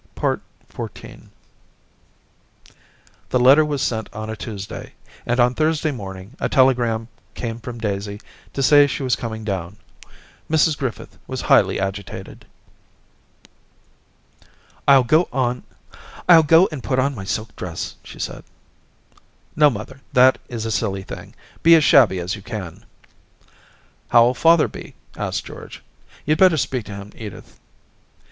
XIV The letter was sent on a Tuesday, and on Thursday morning a telegram came from Daisy to say she was coming down. Mrs Griffith was highly agitated. Daisy 271 * ril go and put on my silk dress/ she said. ' No, mother, that is a silly thing ; be as shabby as you can.' *How'll father be?* asked George. 'You'd better speak to him, Edith.'